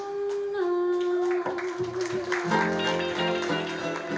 adalah kerajaan yang lebih baik